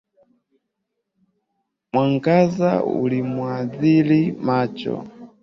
Mwangaza ulimwadhiri macho